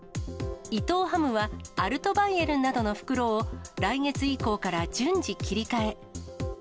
伊藤ハムはアルトバイエルンなどの袋を来月以降から順次、切り替え。